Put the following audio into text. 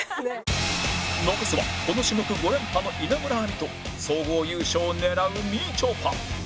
残すはこの種目５連覇の稲村亜美と総合優勝を狙うみちょぱ